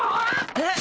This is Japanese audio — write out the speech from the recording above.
えっ！